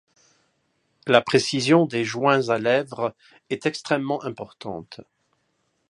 La précision des joints à lèvres est extrêmement importante.